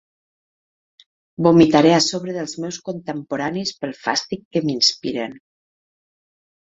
Vomitaré a sobre dels meus contemporanis pel fàstic que m'inspiren...